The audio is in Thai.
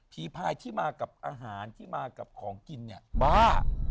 พายที่มากับอาหารที่มากับของกินเนี่ยบ้า